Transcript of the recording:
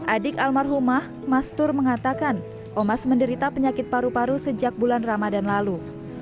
adik almarhumah mastur mengatakan omas menderita penyakit paru paru sejak bulan ramadan lalu